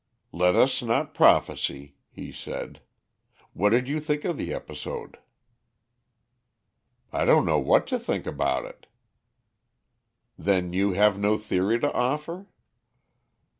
"Let us not prophesy," he said. "What did you think of the episode?" "I don't know what to think about it." "Then you have no theory to offer?"